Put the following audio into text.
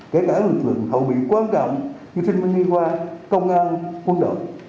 kể cả lực lượng hậu bị quan trọng như sinh viên nghi hoa công an quân đội